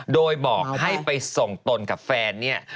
โดยบอกให้ไปส่งตนกับแฟนเนี่ย